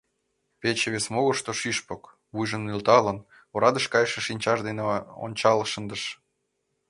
Пече вес могырышто Шӱшпык, вуйжым нӧлталын, орадыш кайыше шинчаж дене ончал шындыш.